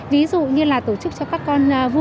ví dụ như là tổ chức cho các con vui